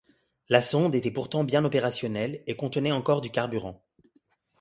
La sonde était pourtant bien opérationnelle et contenait encore du carburant.